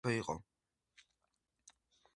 საბჭოთა აზერბაიჯანი მრავალეთნიკური სახელმწიფო იყო